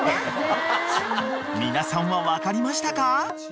［皆さんは分かりましたか？］